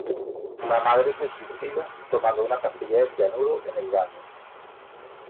La madre se suicida tomando una pastilla de cianuro en el baño.